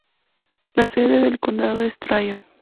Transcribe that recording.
La sede del condado es Tryon.